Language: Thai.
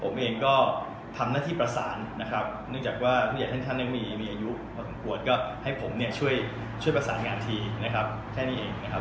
ผมเองก็ทำหน้าที่ประสานนะครับเนื่องจากว่าผู้ใหญ่ท่านนั้นมีอายุพอสมควรก็ให้ผมเนี่ยช่วยประสานงานทีนะครับแค่นี้เองนะครับ